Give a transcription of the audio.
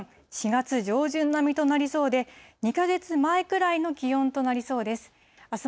４月上旬並みとなりそうで、２か月前くらいの気温となりそうです。